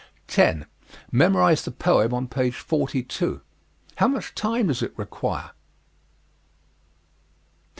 10. Memorize the poem on page 42. How much time does it require?